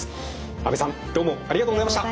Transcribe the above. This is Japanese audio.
阿部さんどうもありがとうございました。